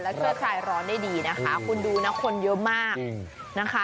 และช่วยคลายร้อนได้ดีนะคะคุณดูนะคนเยอะมากนะคะ